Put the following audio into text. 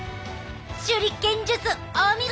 手裏剣術お見事！